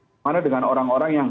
bagaimana dengan orang orang yang